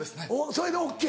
それでＯＫ。